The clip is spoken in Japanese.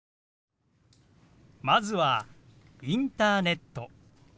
まずは「インターネット」。